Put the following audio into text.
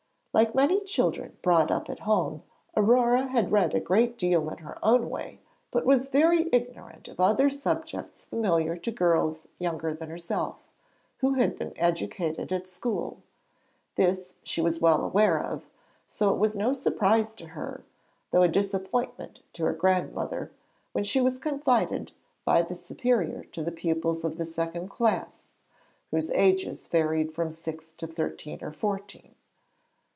Like many children brought up at home, Aurore had read a great deal in her own way, but was very ignorant of other subjects familiar to girls younger than herself, who had been educated at school. This she was well aware of, so it was no surprise to her, though a disappointment to her grandmother, when she was confided by the Superior to the pupils of the second class, whose ages varied from six to thirteen or fourteen.